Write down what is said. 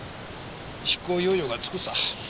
執行猶予がつくさ。